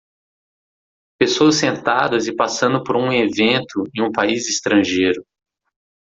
Pessoas sentadas e passando por um evento em um país estrangeiro.